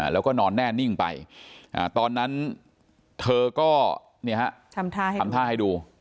แล้วก็นอนแน่นิ่งไปตอนนั้นเธอก็ทำท่าให้ดู